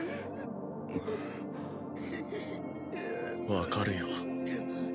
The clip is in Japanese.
分かるよ